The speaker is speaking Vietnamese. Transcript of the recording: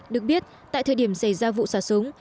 được biết tại thời điểm xảy ra vụ xả súng